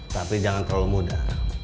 tapi jangan terlalu muda